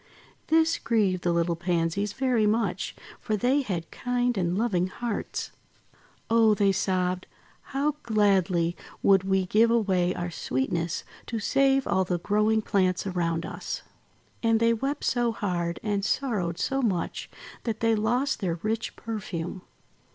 This grieved the little Pansies very much for they had kind and loving hearts. :'Oh!' they sobbed, "how gladly would we give away our sweetness to save all the growing plants around us!' And they wept so hard and sorrowed so much, that they lost their rich perfume.